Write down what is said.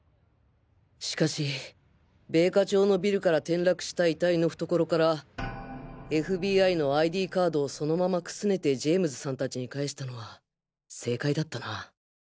しかし米花町のビルから転落した遺体の懐から ＦＢＩ の ＩＤ カードをそのままくすねてジェイムズさん達に返したのは正解だったな